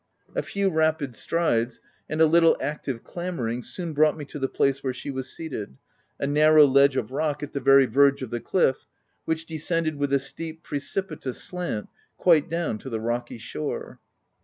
A few rapid strides, and a little, active clambering, soon brought me to the place where she was seated — a narrow ledge of rock at the very verge of the cliff which descended with a steep, precipitous slant, quite down to the rocky shore.